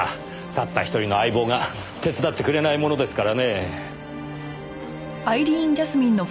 たった一人の相棒が手伝ってくれないものですからね。